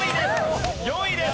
４位です。